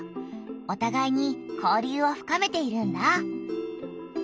おたがいに交流を深めているんだ。